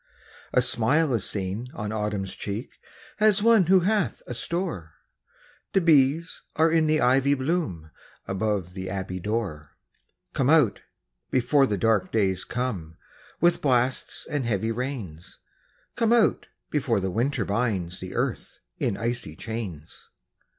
A smile is seen on Autumn's cheek, As one who hath a store ; The bees are in the ivy bloom, Above the abbey door. Come out, before the dark days come, With blasts and heavy rains : Come out, before the winter binds The earth in icy chains.